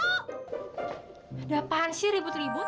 ada apaan sih ribut ribut